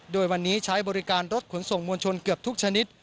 โดยวันนี้ใช้บริการรถขนส่งมวลชนเกือบทุกชนิด